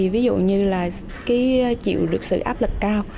ví dụ như là chịu được sự áp lực cao